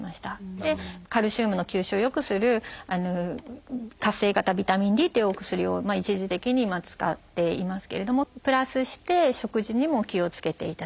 カルシウムの吸収を良くする活性型ビタミンＤというお薬を一時的に使っていますけれどもプラスして食事にも気をつけていただいています。